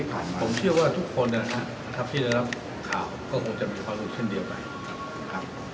ผมเชื่อว่าทุกคนนะครับที่ได้รับข่าวก็คงจะมีความรู้เช่นเดียวกันนะครับ